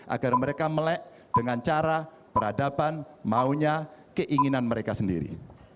agar mereka melek dengan cara peradaban maunya keinginan mereka sendiri